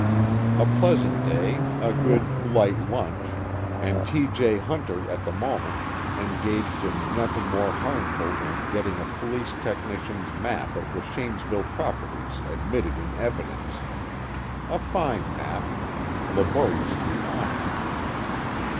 A pleasant day, a good (light) lunch, and T. J. Hunter at the moment engaged in nothing more harmful than getting a police technician's map of the Shanesville properties admitted in evidence. A fine map, laboriously honest.